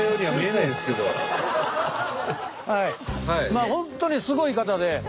まあ本当にすごい方で。